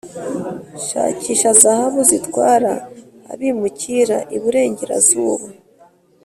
shakisha zahabu zitwara abimukira iburengerazuba